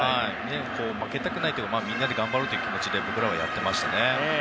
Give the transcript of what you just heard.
負けたくないというかみんなで頑張ろうという気持ちで僕らはやっていましたね。